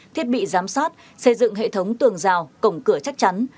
thiết bị giám sát xây dựng hệ thống tường rào cổng cửa chắc chắn